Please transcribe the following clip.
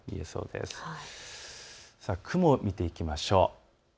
では雲を見ていきましょう。